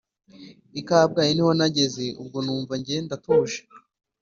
i kabgayi niho nageze ubwo numva njye ndatuje